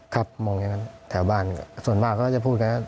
ครับมองอย่างนั้นแถวบ้านส่วนมากก็จะพูดอย่างนั้น